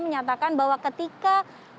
menyatakan bahwa ketika